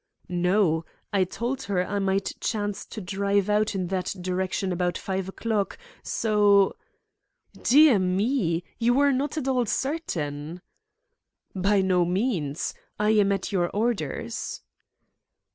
"No. I told her I might chance to drive out in that direction about five o'clock, so " "Dear me! You were not at all certain." "By no means. I am at your orders."